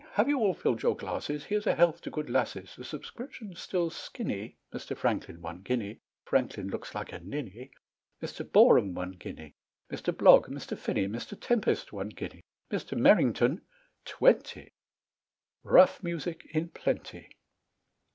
"Have you all filled your glasses?" Here's a health to good lasses. The subscription still skinny "Mr. Franklin one guinea." Franklin looks like a ninny; "Mr, Boreham, one guinea Mr. Blogg, Mr. Finney, Mr. Tempest one guinea, Mr. Merrington twenty," Rough music, in plenty.